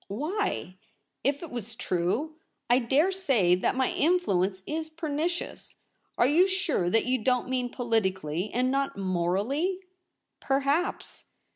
' Why — if it was true ? I dare say that my influence is pernicious. Are you sure that you don't mean politically and not morally ?'' Perhaps.'